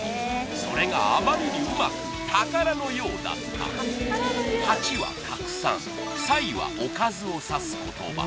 それがあまりにうまく宝のようだった「八」はたくさん「菜」はおかずをさす言葉